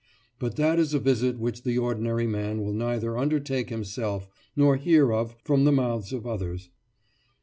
But that is a visit which the ordinary man will neither undertake himself nor hear of from the mouths of others.